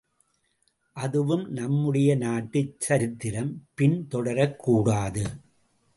அதுவும் நம்முடைய நாட்டுச் சரித்திரம் பின் தொடரக்கூடாது.